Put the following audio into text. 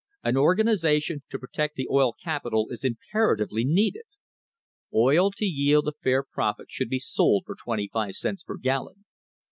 An organi sation to protect the oil capital is imperatively needed. Oil to yield a fair profit should be sold for twenty five cents per gallon.